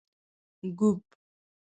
ږوب